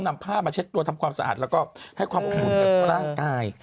นำผ้ามาเช็ดตัวทำความสะอาดแล้วก็ให้ความอบอุ่นกับร่างกาย